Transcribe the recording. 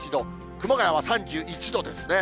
熊谷は３１度ですね。